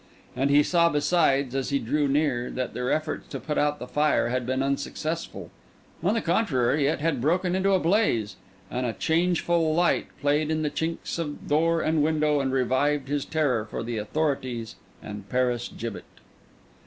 And he saw besides, as he drew near, that their efforts to put out the fire had been unsuccessful; on the contrary, it had broken into a blaze, and a changeful light played in the chinks of door and window, and revived his terror for the authorities and Paris gibbet.